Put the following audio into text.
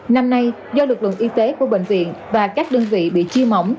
năm nay do lực lượng y tế của bệnh viện và các đơn vị bị chia mỏng